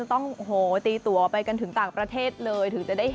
ต้องตีตัวไปกันถึงต่างประเทศเลย